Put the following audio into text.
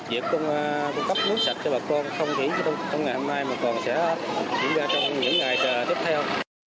việc cung cấp nước sạch cho bà con không chỉ trong ngày hôm nay mà còn sẽ diễn ra trong những ngày tiếp theo